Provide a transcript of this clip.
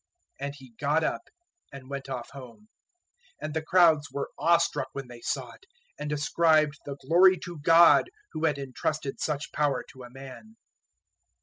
009:007 And he got up, and went off home. 009:008 And the crowds were awe struck when they saw it, and ascribed the glory to God who had entrusted such power to a man.